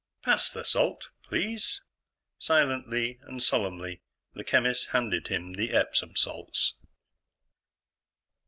"Pass the salt, please." Silently and solemnly, the chemist handed him the Epsom salts.